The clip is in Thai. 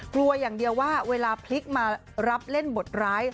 กลัวอย่างเดียวว่าเวลาพลิกมารับเล่นบทร้าย